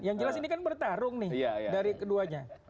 yang jelas ini kan bertarung nih dari keduanya